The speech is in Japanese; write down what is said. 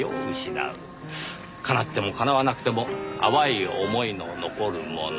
「叶っても叶わなくても淡い思いの残るもの」。